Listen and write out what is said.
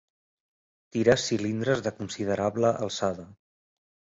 Tires cilindres de considerable alçada.